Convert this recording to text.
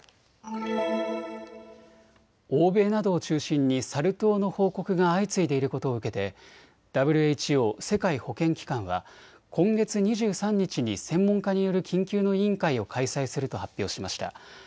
欧米などを中心にサル痘の報告が相次いでいることを受けてＷＨＯ・世界保健機関は今月２３日に専門家による緊急の委員会を開催すると発表しました。